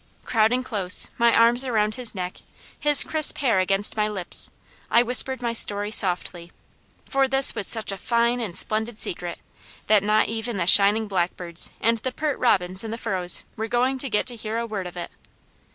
Crowding close, my arms around his neck, his crisp hair against my lips, I whispered my story softly, for this was such a fine and splendid secret, that not even the shining blackbirds, and the pert robins in the furrows were going to get to hear a word of it.